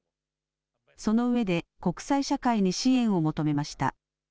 そのうえで国際社会に支援を求めました。